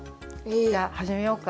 じゃあはじめようか。